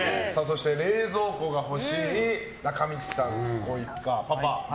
冷蔵庫が欲しい中道さんご一家。